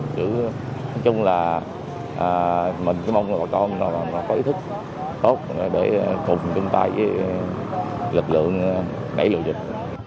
nói chung là mình chỉ mong là bà con có ý thức tốt để cùng chúng ta với lực lượng đẩy lựa dịch